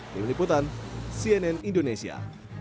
di meliputan cnn indonesia